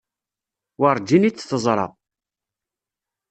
Werǧin i t-teẓra.